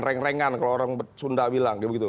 reng rengan kalau orang sunda bilang begitu